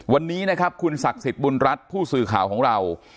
วันนี้นะครับคุณศักดิ์สิทธิ์บุญรัฐผู้สื่อข่าวของเรา